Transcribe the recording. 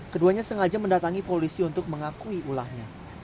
keduanya sengaja mendatangi polisi untuk mengakui ulahnya